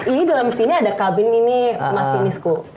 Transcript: ini dalam sini ada kabin ini mas imisco